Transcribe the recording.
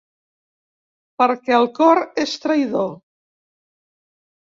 Perquè el cor és traïdor.